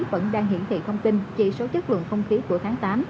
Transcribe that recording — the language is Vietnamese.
vẫn đang hiển thị thông tin chỉ số chất lượng không khí của tháng tám